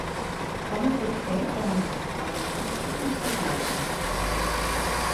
Com ho puc fer per anar a Amposta amb bicicleta?